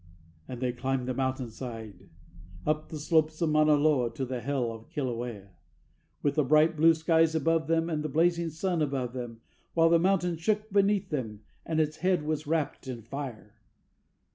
and they climbed the mountain side, Up the slopes of Mauna Loa, to the hell of Kilauea, With the bright blue sky above them, with the blazing sun above them, While the mountain shook beneath them, and its head was wrapped in fire.